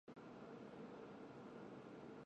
借由门边射入的晨光挑著菜